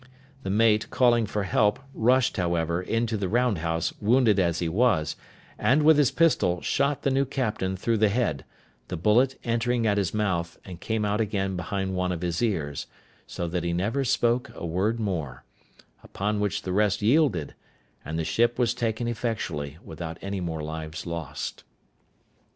The mate, calling for help, rushed, however, into the round house, wounded as he was, and, with his pistol, shot the new captain through the head, the bullet entering at his mouth, and came out again behind one of his ears, so that he never spoke a word more: upon which the rest yielded, and the ship was taken effectually, without any more lives lost.